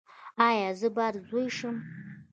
ایا زه باید زوی شم؟